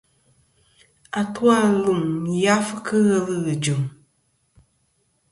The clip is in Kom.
Atu-a lum yafɨ kɨ ghelɨ ghɨ̀ jɨ̀m.